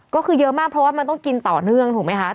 ก็คือเยอะมากเพราะว่ามันต้องกินต่อเนื่องถูกไหมคะ